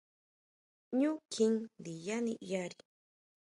ʼÑu kjín ndiyá niʼyari.